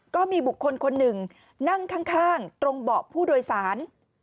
ก็มีบุคคลคนหนึ่งนั่งข้างตรงเบาะผู้โดยสาร